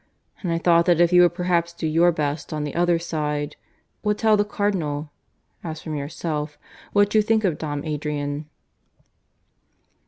And I thought that if you would perhaps do your best on the other side would tell the Cardinal, as from yourself, what you think of Dom Adrian."